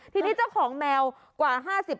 ทีนี้เจ้าของแมวกว่า๕๐